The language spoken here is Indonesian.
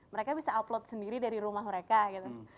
mereka bisa upload sendiri dari rumah mereka gitu